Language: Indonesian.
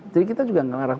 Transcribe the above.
jadi kita juga ngelarang